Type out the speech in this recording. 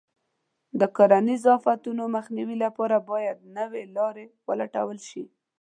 د کرنیزو آفتونو مخنیوي لپاره باید نوې لارې ولټول شي.